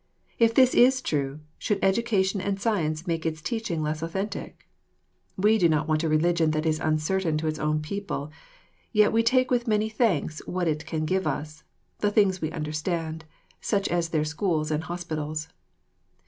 If it is true, should education and science make its teaching less authentic? We do not want a religion that is uncertain to its own people, yet we take with many thanks what it can give us, the things we understand, such as their schools and hospitals.